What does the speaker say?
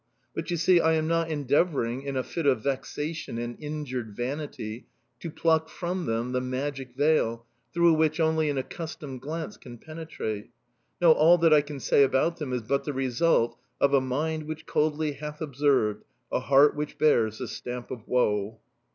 But, you see, I am not endeavouring, in a fit of vexation and injured vanity, to pluck from them the magic veil through which only an accustomed glance can penetrate. No, all that I say about them is but the result of "A mind which coldly hath observed, A heart which bears the stamp of woe."